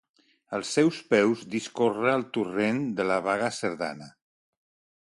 Als seus peus discorre el torrent de la Baga Cerdana.